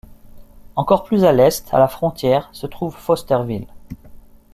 Encore plus à l'est, à la frontière, se trouve Fosterville.